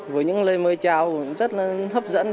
với những lời mời trao rất là hấp dẫn